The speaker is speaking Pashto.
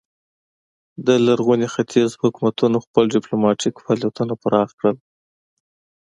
د لرغوني ختیځ حکومتونو خپل ډیپلوماتیک فعالیتونه پراخ کړل